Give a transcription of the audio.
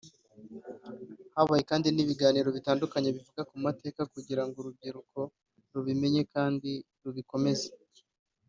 Habaye kandi n’ibiganiro bitandukanye bivuga amateka kugirango urubyiruko rubimenye kandi rubikomeze